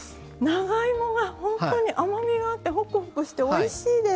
長芋が、本当に甘みがあって、ほくほくしておいしいです。